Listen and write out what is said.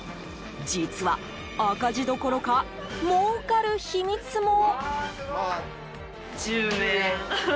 実は、赤字どころかもうかる秘密も。